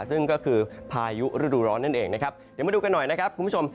ซึ่งก็คือพายุฤดูร้อนนั่นเองนะครับเดี๋ยวมาดูกันหน่อยนะครับคุณผู้ชม